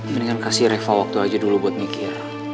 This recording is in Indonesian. mendingan kasih reval waktu aja dulu buat mikir